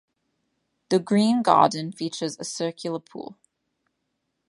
The Green Garden features a circular pool.